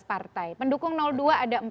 sebelas partai pendukung dua ada